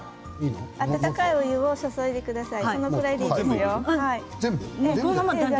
温かいお湯を注いでください。